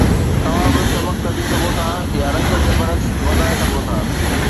توهان به چمڪ ڪڍي سگهو ٿا يا رنگ جي برعڪس وڌائي سگهو ٿا